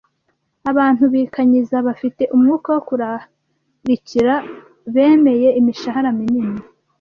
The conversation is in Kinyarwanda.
Abantu bikanyiza, bafite umwuka wo kurarikira bemeye imishahara minini.